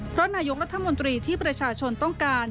เพราะนายกรัฐมนตรีที่ประชาชนต้องการ